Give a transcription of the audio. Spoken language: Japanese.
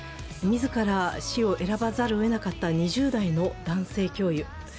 自ら死を選ばざるをえなかった２０代の男性教諭。